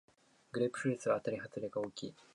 グレープフルーツはあたりはずれが大きい